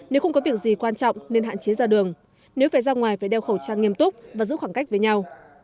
nếu không có việc gì quan trọng nên hạn chế ra đường nếu phải ra ngoài phải đeo khẩu trang nghiêm túc và giữ khoảng cách với nhau